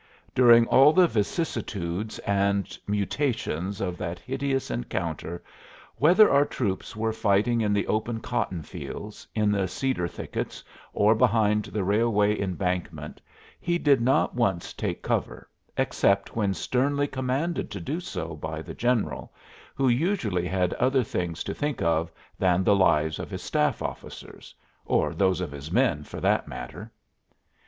During all the vicissitudes and mutations of that hideous encounter, whether our troops were fighting in the open cotton fields, in the cedar thickets, or behind the railway embankment, he did not once take cover, except when sternly commanded to do so by the general, who usually had other things to think of than the lives of his staff officers or those of his men, for that matter.